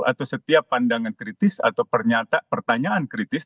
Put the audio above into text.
atau setiap pandangan kritis atau pernyataan kritis